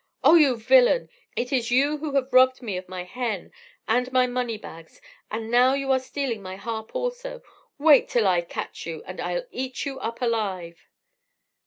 "Oh you villain! it is you who have robbed me of my hen and my money bags, and now you are stealing my harp also. Wait till I catch you, and I'll eat you up alive!"